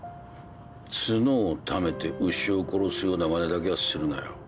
角を矯めて牛を殺すようなまねだけはするなよ。